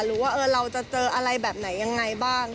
หรือว่าเราจะเจออะไรแบบไหนยังไงบ้าง